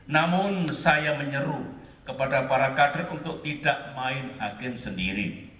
namun saya menyeru kepada para kader untuk tidak main hakim sendiri